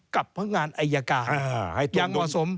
กับพนักงานอายการอย่างเหมาะสม